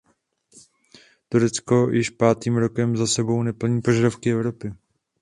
Turecko již pátým rokem za sebou neplní požadavky Evropy.